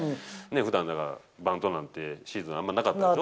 ふだん、だからバントなんて、シーズン、あんまなかったでしょ。